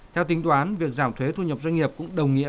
theo tính toán việc giảm thuế thu nhập doanh nghiệp cũng đồng nghĩa